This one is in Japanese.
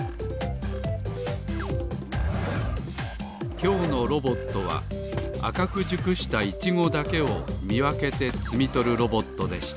きょうのロボットはあかくじゅくしたいちごだけをみわけてつみとるロボットでした